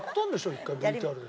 一回ＶＴＲで。